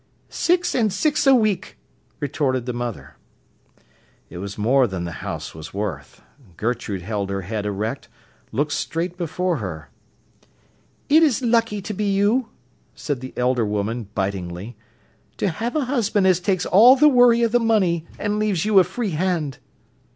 "Six and six a week," retorted the mother. It was more than the house was worth. Gertrude held her head erect, looked straight before her. "It is lucky to be you," said the elder woman, bitingly, "to have a husband as takes all the worry of the money, and leaves you a free hand."